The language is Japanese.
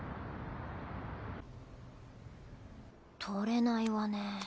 取れないわね。